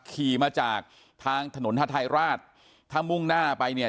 ขี่มาจากทางถนนฮาทายราชถ้ามุ่งหน้าไปเนี่ย